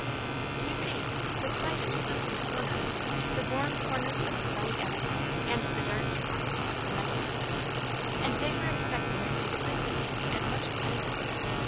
You see, the spiders lived in the corners, the warm corners of the sunny attic and the dark corners of the nice cellar. And they were expecting to see the Christmas Tree as much as anybody.